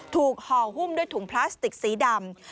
ห่อหุ้มด้วยถุงพลาสติกสีดำ